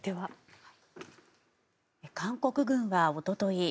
韓国軍はおととい